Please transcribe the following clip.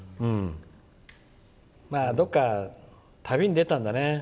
どこか旅に出たんだね。